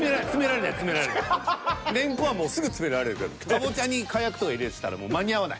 レンコンはもうすぐ詰められるけどカボチャに火薬とか入れてたらもう間に合わない。